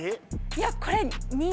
いやこれ。